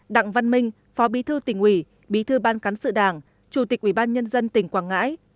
đặng văn minh phó bí thư tỉnh ủy bí thư ban cán sự đảng chủ tịch ủy ban nhân dân tỉnh quảng ngãi